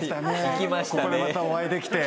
ここでまたお会いできて。